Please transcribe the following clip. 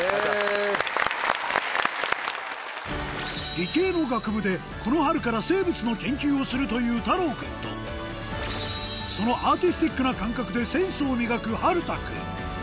理系の学部でこの春から生物の研究をするという太朗君とそのアーティスティックな感覚でセンスを磨く春太君